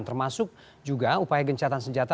termasuk juga upaya gencatan senjata